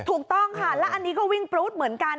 ถูกต้องค่ะแล้วอันนี้ก็วิ่งปรู๊ดเหมือนกัน